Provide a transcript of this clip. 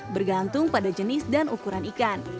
bergantung pada jenis dan ukuran ikan